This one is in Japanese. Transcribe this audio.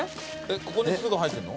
ここに巣が入ってるの？